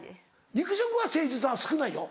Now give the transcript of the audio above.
肉食は誠実は少ないよ。